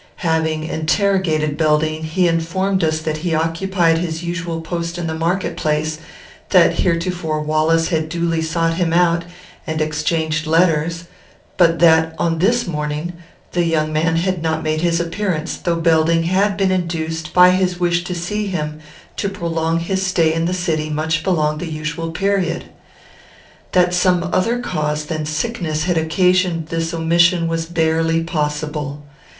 Having interrogated Belding, he informed us that he occupied his usual post in the market place; that heretofore Wallace had duly sought him out, and exchanged letters; but that, on this morning, the young man had not made his appearance, though Belding had been induced, by his wish to see him, to prolong his stay in the city much beyond the usual period. That some other cause than sickness had occasioned this omission was barely possible.